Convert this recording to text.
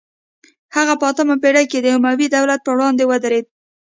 هغه په اتمه پیړۍ کې د اموي دولت پر وړاندې ودرید